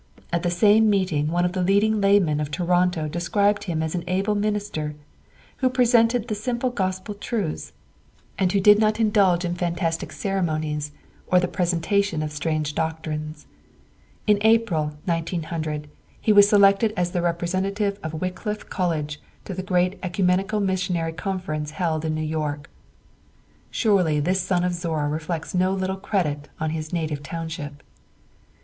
At the same meeting one of the leading laymen of Toronto described him as an able minister, who presented the simple gospel truths and who did not indulge in fantastic ceremonies, or in the presentation of strange doctrines. In April, 1900, he was selected as the representative of Wycliffe College to the great Ecumenical Missionary Conference held in New York. Surely this son of Zorra reflects no little credit on his native township.